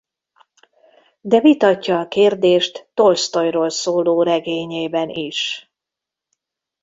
De vitatja a kérdést Tolsztojról szóló regényében is.